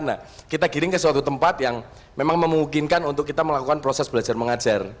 nah kita giring ke suatu tempat yang memang memungkinkan untuk kita melakukan proses belajar mengajar